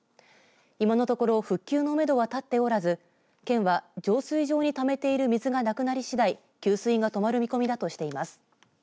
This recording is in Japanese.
今のところ復旧のめどは立っておらず県は浄水場にためている水がなくなりしだい給水が止まる見込みだとしています。